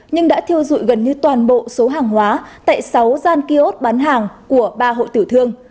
nhưng đã thiêu dụi gần như toàn bộ số hàng hóa tại sáu gian kiosk bán hàng của ba hội tiểu thương